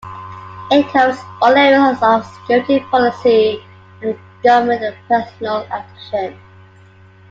It covers all areas of security policy and government and personal action.